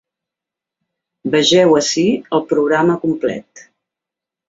Vegeu ací el programa complet.